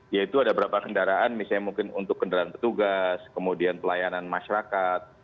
yaitu ada berapa kendaraan misalnya mungkin untuk kendaraan petugas kemudian pelayanan masyarakat